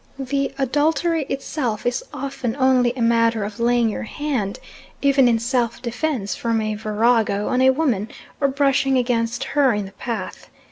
The adultery itself is often only a matter of laying your hand, even in self defence from a virago, on a woman or brushing against her in the path.